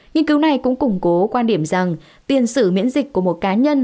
nghiên cứu này cũng củng cố quan điểm rằng tiền sử miễn dịch của một cá nhân